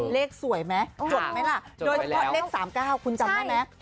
เลขสวยมั้ยจดไหมล่ะโดยเลข๓๙คุณจำได้ไหม